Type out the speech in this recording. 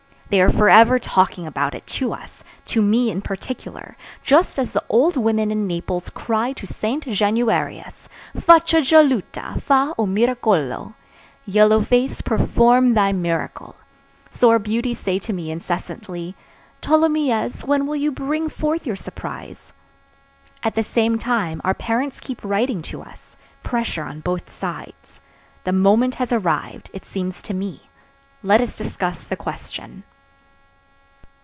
They are forever talking about it to us, to me in particular, just as the old women in Naples cry to Saint Januarius, 'Faccia gialluta, fa o miracolo, Yellow face, perform thy miracle,' so our beauties say to me incessantly, 'Tholomyès, when will you bring forth your surprise?' At the same time our parents keep writing to us. Pressure on both sides. The moment has arrived, it seems to me; let us discuss the question."